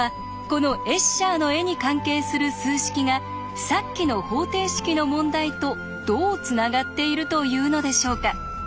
このエッシャーの絵に関係する数式がさっきの方程式の問題とどうつながっているというのでしょうか？